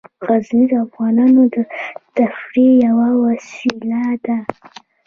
غزني د افغانانو د تفریح یوه وسیله ده.